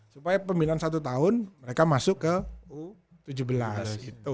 supaya pembinaan satu tahun mereka masuk ke u tujuh belas